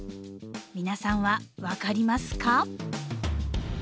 皆さんは分かりますか？